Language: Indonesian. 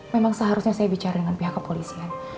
memang seharusnya saya bicara dengan pihak kepolisian